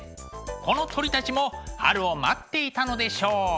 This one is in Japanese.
この鳥たちも春を待っていたのでしょう。